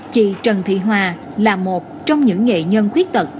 chị trần thị hòa là một trong những nghệ nhân khuyết tật